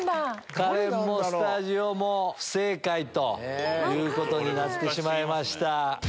カレンもスタジオも不正解ということになってしまいました。